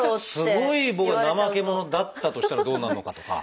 すごい僕が怠け者だったとしたらどうなるのかとか。